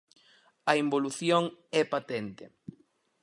A involución é patente.